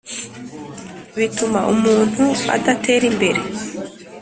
bituma umuntu adatera imbere